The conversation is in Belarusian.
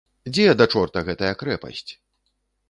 Дзе да чорта гэтая крэпасць?